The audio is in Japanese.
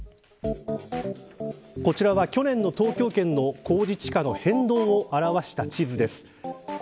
こちらは去年の東京圏の公示地価の変動を表した地図です。